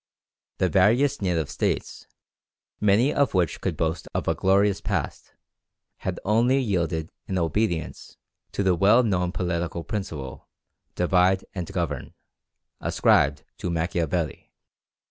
The various native States, many of which could boast of a glorious past, had only yielded in obedience to the well known political principle "divide and govern," ascribed to Machiavelli.